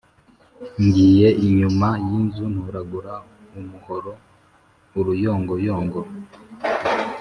Ngiye inyuma y'inzu ntoragura umuhoro-Uruyongoyongo.